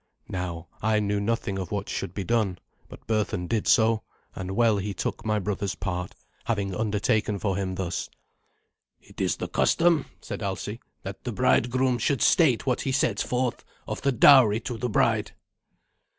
Now, I knew nothing of what should he done, but Berthun did so, and well he took my brother's part, having undertaken for him thus. "It is the custom," said Alsi, "that the bridegroom should state what he sets forth of the dowry to the bride."